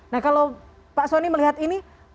nah kalau pak soni melihat ini